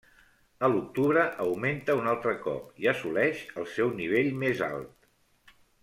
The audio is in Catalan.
A l'octubre augmenta un altre cop, i assoleix el seu nivell més alt.